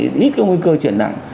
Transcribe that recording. thì ít có nguy cơ chuyển nặng